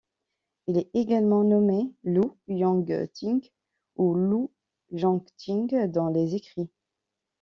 Il est également nommé Lu Yung-ting ou Lu Jung-t'ing dans les écrits.